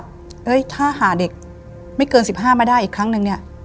เฮ้ยถ้าหาเด็กไม่เกิน๑๕มาได้อีกครั้งนึงเนี่ย